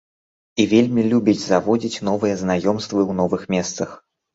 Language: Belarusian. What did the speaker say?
І вельмі любіць заводзіць новыя знаёмствы ў новых месцах.